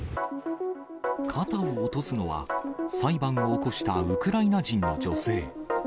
肩を落とすのは、裁判を起こしたウクライナ人の女性。